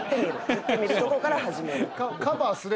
言ってみるとこから始める。